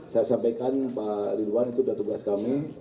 saya sampaikan pak ridwan itu jatuh beras kami